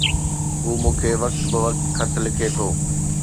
هو مون کي وقت بوقت خط لکي ٿو